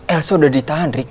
elsa udah ditahan rick